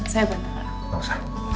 saya bentar pak